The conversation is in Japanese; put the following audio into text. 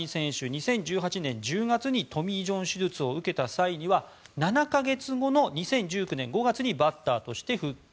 ２０１８年１０月にトミー・ジョン手術を受けた際には７か月後の２０１９年５月にバッターとして復帰。